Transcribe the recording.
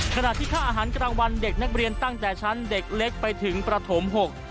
ขณะที่ค่าอาหารกลางวันเด็กนักเรียนตั้งแต่ชั้นเด็กเล็กไปถึงประถม๖